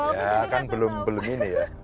karena kan belum ini ya